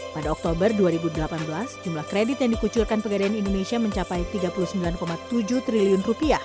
pada oktober dua ribu delapan belas jumlah kredit yang dikucurkan pegadaian indonesia mencapai rp tiga puluh sembilan tujuh triliun